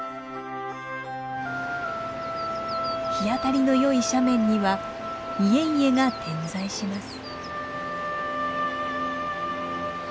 日当たりのよい斜面には家々が点在します。